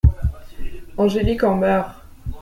Angélique en meurt.